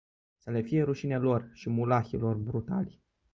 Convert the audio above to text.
Să le fie rușine lor și mulahilor brutali.